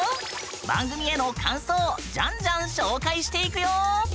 番組への感想じゃんじゃん紹介していくよ！